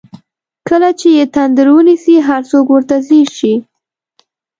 کله چې یې تندر ونیسي هر څوک ورته ځیر شي.